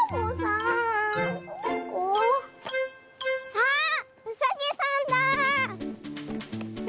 あっうさぎさんだあ！